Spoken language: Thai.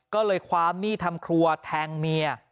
ก็เลยคว้ามีดทำครัวแทงเมีย